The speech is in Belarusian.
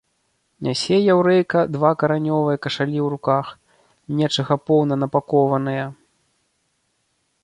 Нясе яўрэйка два каранёвыя кашалі ў руках, нечага поўна напакованыя.